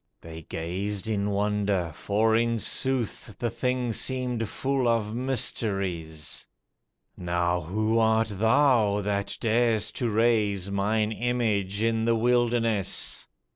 They gazed in wonder, for in sooth The thing seemed full of mysteries. "Now who art thou that dar'st to raise Mine image in the wilderness?